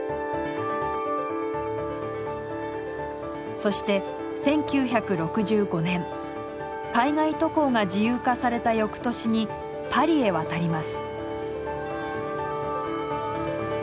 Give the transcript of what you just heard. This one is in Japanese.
そして１９６５年海外渡航が自由化された翌年にパリへ渡ります。